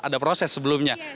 ada proses sebelumnya